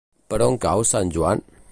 Per on cau Sant Joan?